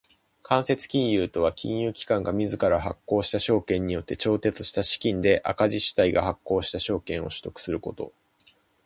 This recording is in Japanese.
間接金融とは金融機関が自ら発行した証券によって調達した資金で赤字主体が発行した証券を取得すること。